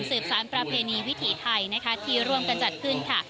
สารประเพณีวิถีไทยนะคะที่ร่วมกันจัดขึ้นค่ะ